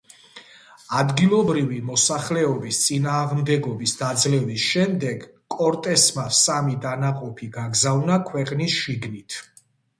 ადგილობრივი მოსახლეობის წინააღმდეგობის დაძლევის შემდეგ, კორტესმა სამი დანაყოფი გაგზავნა ქვეყნის შიგნით.